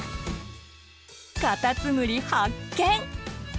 カタツムリ発見！